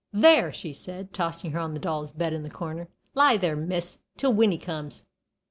"There!" she said, tossing her on to the doll's bed in the corner; "lie there, miss, till Winnie comes.